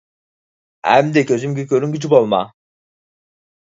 ئەمدى كۆزۈمگە كۆرۈنگۈچى بولما!